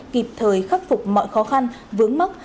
kịp thời khắc phục mọi khó khăn vướng mắc